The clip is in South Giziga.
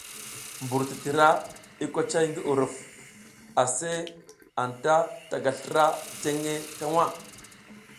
Mbur titira i kocay ngi uruf, aseʼe anta ta ga slra jenge ta waʼa.